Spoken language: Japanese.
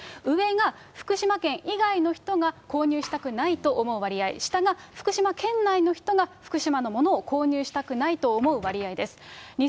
上が福島県以外の人が購入したくないと思う割合、下が福島県内の人が福島のものを購入したくないと思う割合です。